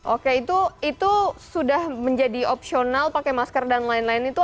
oke itu sudah menjadi opsional pakai masker dan lain lain itu